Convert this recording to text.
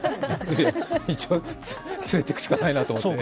一応、連れていくしかないなって思って。